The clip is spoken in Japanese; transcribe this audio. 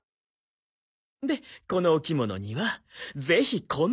でこのお着物にはぜひこんな帯を。